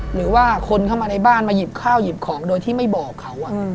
หรือว่าคนเข้ามาในบ้านมาหยิบข้าวหยิบของโดยที่ไม่บอกเขา